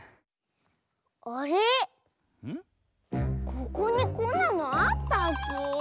ここにこんなのあったっけ？